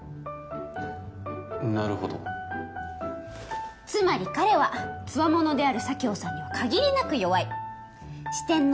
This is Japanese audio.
なるほどつまり彼はつわものである佐京さんには限りなく弱い四天王